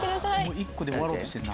１個で終わろうとしてんな。